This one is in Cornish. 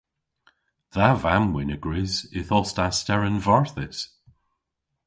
Dha vamm-wynn a grys yth os ta steren varthys.